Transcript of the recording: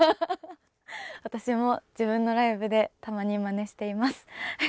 私も自分のライブでたまにマネしています。